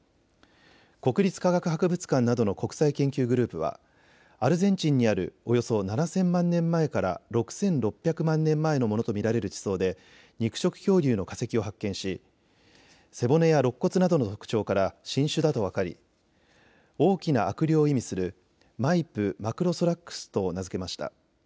国立科学博物館などの国際研究グループはアルゼンチンにあるおよそ７０００万年前から６６００万年前のものと見られる地層で肉食恐竜の化石を発見し背骨やろっ骨などの特徴から新種だと分かり大きな悪霊を意味するマイプ・マクロソラックスと名付けました。